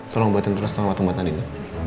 tolong buatin tulis tangan matang buat nadina